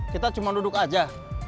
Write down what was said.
kita cuma duduk aja